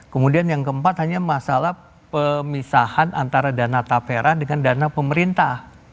kemudian yang keempat hanya masalah pemisahan antara dana tapera dengan dana pemerintah